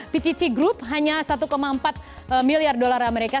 ptt group hanya satu empat miliar dolar amerika